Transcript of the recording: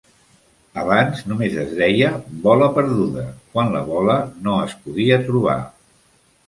Abans, només es deia "bola perduda" quan la bola no es podia trobar.